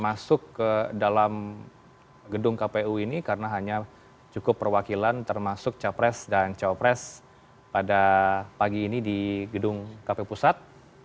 masuk ke dalam gedung kpu ini karena hanya cukup perwakilan termasuk capres dan cawapres pada pagi ini di gedung kpu pusat